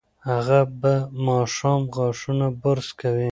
هغه به ماښام غاښونه برس کوي.